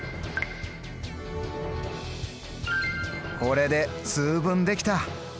これで通分できた。